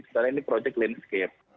sekarang ini proyek landscape